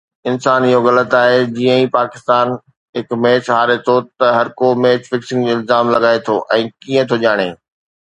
انسان، اهو غلط آهي. جيئن ئي پاڪستان هڪ ميچ هاري ٿو ته هرڪو ميچ فڪسنگ جو الزام لڳائي ٿو ۽ ڪيئن ٿو ڄاڻي